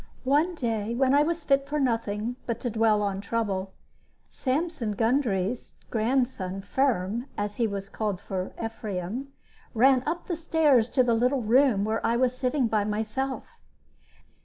One day, when I was fit for nothing but to dwell on trouble, Sampson Gundry's grandson "Firm" as he was called for Ephraim ran up the stairs to the little room where I was sitting by myself.